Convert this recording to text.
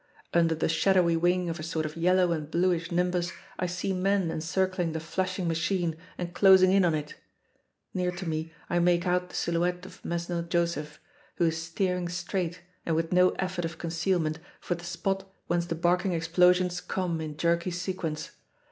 Under the shadowy wing of a sort of yellow and bluish nimbus I see men encircling the flashing machine and closing in on it. Near to me I make out the silhouette of Mesnil Joseph, who is steering straight and with no effort of concealment for the spot whence the barking explosions come in jerky sequence.